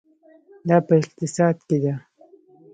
دا په اقتصاد کې ده.